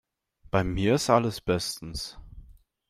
Bei mir ist alles bestens.